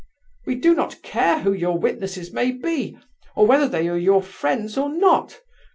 We do not care who your witnesses may be, or whether they are your friends or not.